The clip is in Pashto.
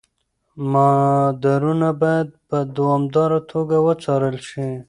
مدارونه باید په دوامداره توګه وڅارل شي.